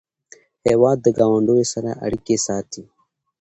هېواد د ګاونډیو سره اړیکې ساتي.